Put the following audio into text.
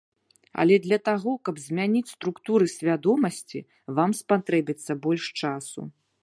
Але для таго, каб змяніць структуры свядомасці, вам спатрэбіцца больш часу.